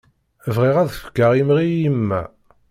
Bɣiɣ ad fkeɣ imɣi i yemma.